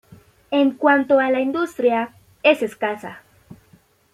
En cuanto a la industria, es escasa.